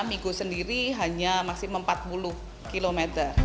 migo sendiri hanya maksimum empat puluh km